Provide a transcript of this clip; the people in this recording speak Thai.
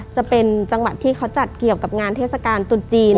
จะเป็นจังหวัดที่เขาจัดเกี่ยวกับงานเทศกาลตรุษจีน